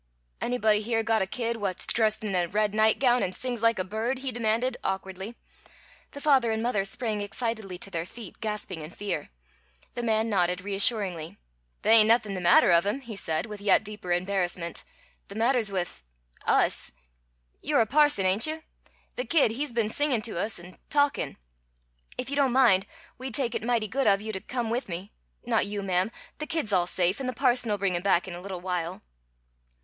"Anybody here got a kid what's dressed in a red nightgown and sings like a bird?" he demanded, awkwardly. The father and mother sprang excitedly to their feet, gasping in fear. The man nodded reassuringly. "The' ain't nothing the matter of him," he said, with yet deeper embarrassment. "The matter's with us. You're a parson, ain't you? The kid, he's been singin' to us an' talkin'. If you don't mind, we'd take it mighty good of you to come with me. Not you, ma'am. The kid's all safe, an' the parson'll bring him back in a little while."